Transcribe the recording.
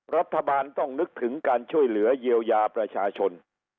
รัฐบาลต้องนึกถึงการช่วยเหลือเยียวยาประชาชน